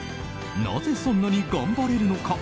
なぜ、そんなに頑張れるのか。